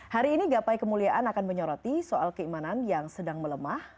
hari ini gapai kemuliaan akan menyoroti soal keimanan yang sedang melemah